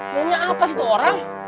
maunya apa sih itu orang